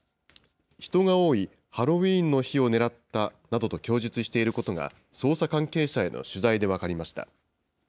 人が多いハロウィーンの日を狙ったなどと供述していることが、捜査関係者への取材で分かりました。